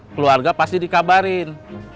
keluarga pasti dikabarin